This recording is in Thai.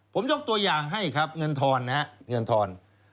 ผมยกตัวอย่างให้ครับเงินทรอน